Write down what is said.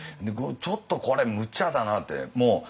ちょっとこれむちゃだなって。